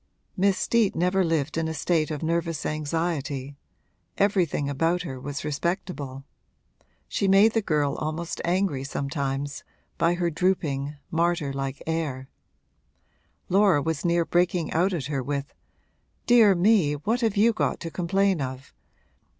Miss Steet never lived in a state of nervous anxiety everything about her was respectable. She made the girl almost angry sometimes, by her drooping, martyr like air: Laura was near breaking out at her with, 'Dear me, what have you got to complain of?